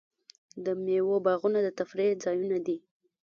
د میوو باغونه د تفریح ځایونه دي.